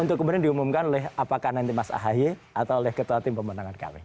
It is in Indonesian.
untuk kemudian diumumkan oleh apakah nanti mas ahy atau oleh ketua tim pemenangan kami